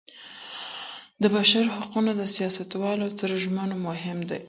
د بشر حقونه د سياستوالو تر ژمنو مهم دي.